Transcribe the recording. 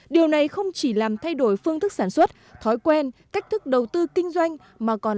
điều này không chỉ làm thay đổi phương thức sản xuất thói quen cách thức đầu tư kinh doanh mà còn